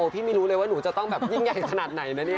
ไม่รู้เลยว่าหนูจะต้องแบบยิ่งใหญ่ขนาดไหนนะเนี่ย